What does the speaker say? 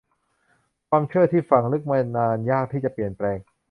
ความเชื่อที่ฝังลึกมานานยากที่จะเปลี่ยนแปลง